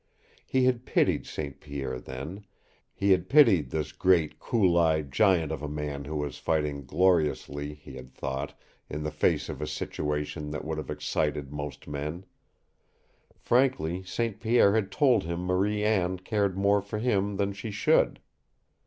He had pitied St. Pierre then; he had pitied this great cool eyed giant of a man who was fighting gloriously, he had thought, in the face of a situation that would have excited most men. Frankly St. Pierre had told him Marie Anne cared more for him than she should.